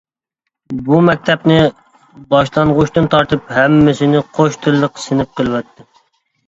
بۇ مەكتەپنى باشلانغۇچتىن تارتىپ ھەممىسىنى قوش تىللىق سىنىپ قىلىۋەتتى.